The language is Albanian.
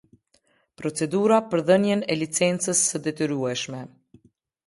Procedura për dhënien e licencës së detyrueshme.